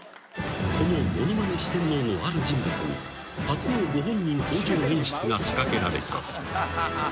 ［このものまね四天王のある人物に初のご本人登場演出が仕掛けられた］